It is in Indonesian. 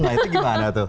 nah itu gimana tuh